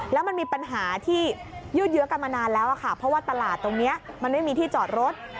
แล้วมันมีปัญหาที่ยืดเยอะกันมานานแล้วค่ะเพราะว่าตลาดตรงนี้มันไม่มีที่จอดรถ